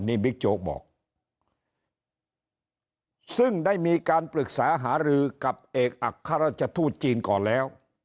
นี่บิ๊กโจ๊กบอกซึ่งได้มีการปรึกษาหารือกับเอกอัครราชทูตจีนก่อนแล้ว